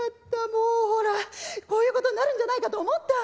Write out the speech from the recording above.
もうほらこういうことになるんじゃないかと思った。